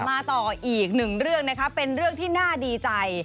มาต่ออีกหนึ่งเรื่องนะคะเป็นเรื่องที่น่าดีใจ